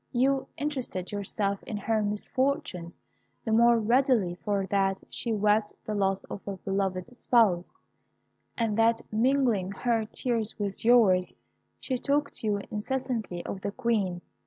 You interested yourself in her misfortunes the more readily for that she wept the loss of a beloved spouse, and that mingling her tears with yours, she talked to you incessantly of the Queen.